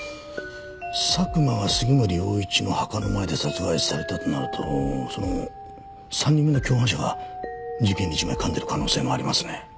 佐久間が杉森陽一の墓の前で殺害されたとなるとその３人目の共犯者が事件に一枚噛んでいる可能性もありますね。